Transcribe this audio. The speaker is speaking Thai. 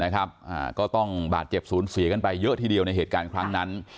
ก็ต้องบาดเจ็บศูนย์เสียกันไปเยอะทีเดียวในเหตุการณ์ครั้งนั้น